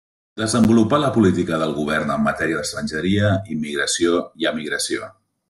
Desenvolupar la política del Govern en matèria d'estrangeria, immigració i emigració.